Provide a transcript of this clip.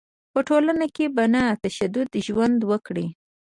په ټولنه کې په نه تشدد ژوند وکړي.